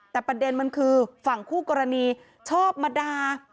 แต่ประเด็นมันคือฝั่งคู่กรณีชอบมาด่า